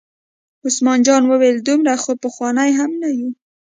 عثمان جان وویل: دومره خو پخواني هم نه یو.